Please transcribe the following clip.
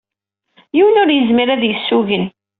Yiwen ur yezmir ad yessugen.